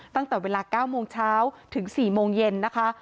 ตั้งแต่เวลา๙โมงเช้าถึง๔โมงเย็นนะคะ